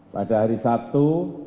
pada hari sabtu